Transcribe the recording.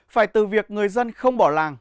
phải từ việc người dân không bỏ làng